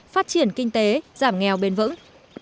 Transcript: phát triển kinh tế giảm nghèo bền vững